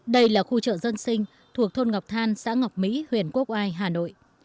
đây là khu trợ dân sinh thuộc thôn ngọc than xã ngọc mỹ huyền quốc ai hà nội